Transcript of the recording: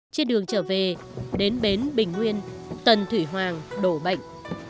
trên đường trở về đến bến bình nguyên tần thủy hoàng đổ bệnh